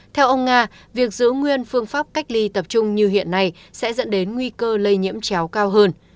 theo ông nga việc giữ nguyên phương pháp cách ly tập trung như hiện nay sẽ dẫn đến nguy cơ lây nhiễm chéo cao hơn